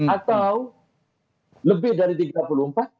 atau lebih dari tiga puluh empat